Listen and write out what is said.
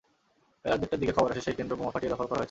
বেলা দেড়টার দিকে খবর আসে সেই কেন্দ্র বোমা ফাটিয়ে দখল করা হয়েছে।